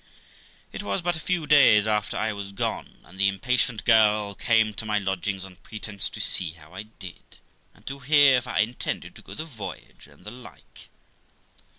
It was but a few days after I was gone, but the impatient girl came to my lodgings on pretence to see how I did, and to hear if I intended to go the voyage, and the like.